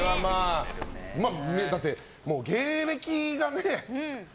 だって、芸歴がね。